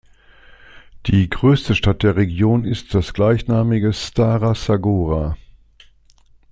Die größte Stadt der Region ist das gleichnamige Stara Sagora.